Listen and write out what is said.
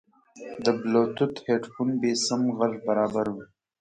د بلوتوث هیډفون بېسیم غږ برابروي.